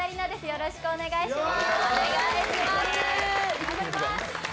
よろしくお願いします。